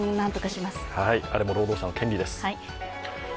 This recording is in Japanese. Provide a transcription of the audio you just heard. あれも労働者の権利です。